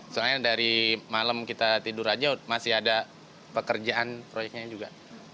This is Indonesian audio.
soalnya dari malam kita tidur aja masih ada pekerjaan proyeknya juga